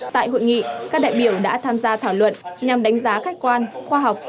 tại hội nghị các đại biểu đã tham gia thảo luận nhằm đánh giá khách quan khoa học